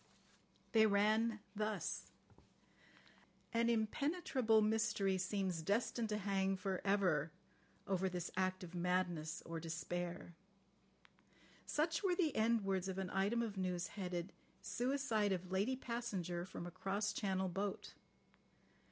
They ran thus: "An impenetrable mystery seems destined to hang for ever over this act of madness or despair." Such were the end words of an item of news headed: "Suicide of Lady Passenger from a cross Channel Boat."